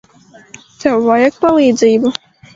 Tev vajag palīdzību.